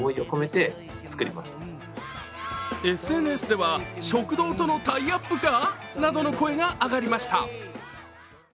ＳＮＳでは食堂とのタイアップか？などの声が上がりました。